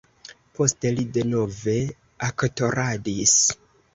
Poste li denove aktoradis.